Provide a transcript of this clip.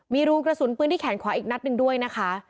มีรูกระสุนปืนที่แขนขวาอีกนัดหนึ่งด้วยนะคะ